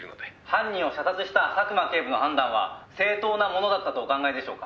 「犯人を射殺した佐久間警部の判断は正当なものだったとお考えでしょうか？」